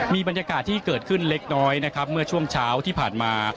มีบรรยากาศที่เกิดขึ้นเล็กน้อยนะครับเมื่อช่วงเช้าที่ผ่านมา